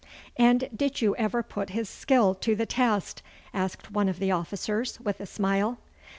'And did you ever put his skill to the test?' asked one of the officers, with a smile.